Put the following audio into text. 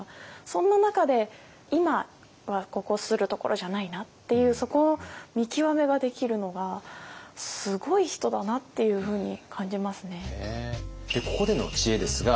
そんな中で今はここするところじゃないなっていうそこの見極めができるのがすごい人だなっていうふうに感じますね。